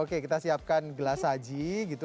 oke kita siapkan gelas saji gitu